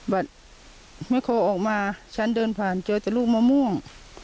เมื่อเขาออกมาฉันเดินผ่านเจอแต่ลูกมะม่วง